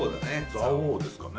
蔵王ですかね。